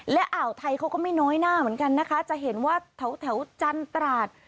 และอ่าวไทยเขาก็ไม่น้อยหน้าเหมือนกันนะคะจะเห็นว่าแถวจันตราด